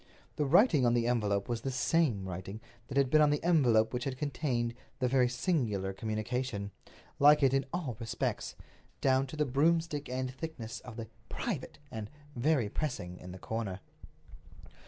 The writing on the envelope was the same writing that had been on the envelope which had contained the very singular communication—like it in all respects, down to the broomstick end thickness of the "Private!" and "Very pressing!!!" in the corner.